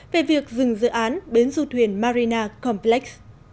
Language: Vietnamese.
về việc dừng dự án bến du thuyền marina complex